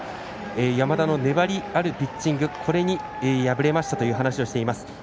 山田の粘りあるピッチングこれに敗れましたという話をしています。